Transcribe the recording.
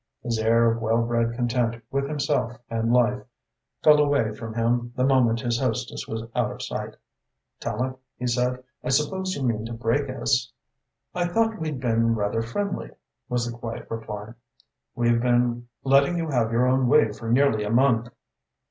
His air of well bred content with himself and life fell away from him the moment his hostess was out of sight. "Tallente," he said, "I suppose you mean to break us?" "I thought we'd been rather friendly," was the quiet reply. "We've been letting you have your own way for nearly a month."